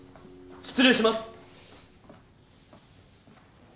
失礼します！